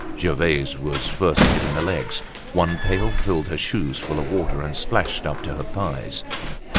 Gervaise was hit first in the legs. One pail filled her shoes full of water and splashed up to her thighs.